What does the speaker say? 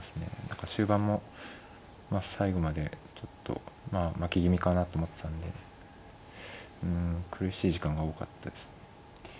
何か終盤も最後までちょっとまあ負け気味かなと思ってたんでうん苦しい時間が多かったですね。